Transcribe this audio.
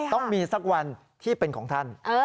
ต้องมีสักวันที่เป็นของท่าน